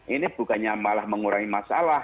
ini bukannya malah mengurangi masalah